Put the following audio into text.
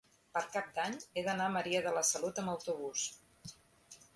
Per Cap d'Any he d'anar a Maria de la Salut amb autobús.